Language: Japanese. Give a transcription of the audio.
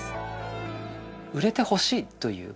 「売れてほしい」という